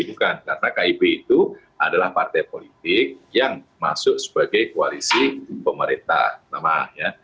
bukan karena kib itu adalah partai politik yang masuk sebagai koalisi pemerintah memang